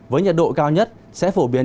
với nhiệt độ cao nhất sẽ phổ biến